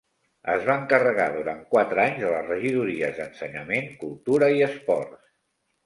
Es va encarregar durant quatre anys de les regidories d’Ensenyament, Cultura i Esports.